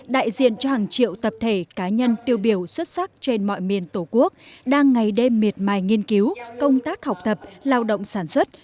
đại diện cho hàng triệu tập thể cá nhân tiêu biểu xuất sắc trên mọi miền tổ quốc đang ngày đêm miệt mài nghiên cứu công tác học tập lao động sản xuất